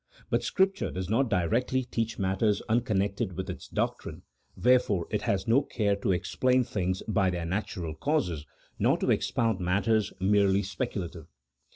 But Scrip ture does not directly teach matters unconnected with its doctrine, wherefore it has no care to explain things by their natural causes, nor to expound matters merely speculative.